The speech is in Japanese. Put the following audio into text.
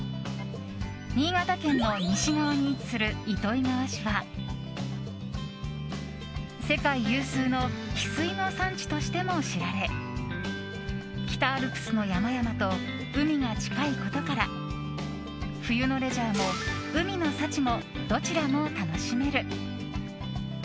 新潟県の西側に位置する糸魚川市は世界有数のヒスイの産地としても知られ北アルプスの山々と海が近いことから冬のレジャーも海の幸もどちらも楽しめる。